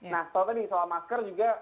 nah kalau tadi soal masker juga